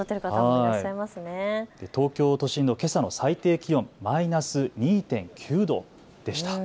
東京都心のけさの最低気温、マイナス２．９度でした。